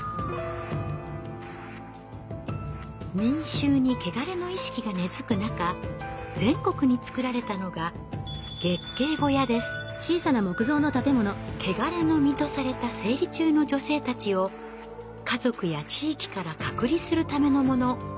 民衆にケガレの意識が根づく中全国につくられたのがケガレの身とされた生理中の女性たちを家族や地域から隔離するためのもの。